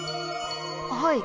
はい。